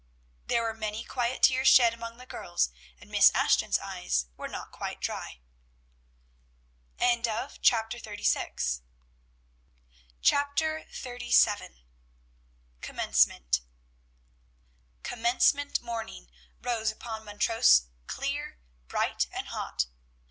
There were many quiet tears shed among the girls, and Miss Ashton's eyes were not quite dry. CHAPTER XXXVII. COMMENCEMENT. Commencement morning rose upon Montrose clear, bright, and hot.